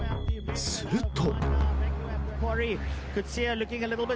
すると。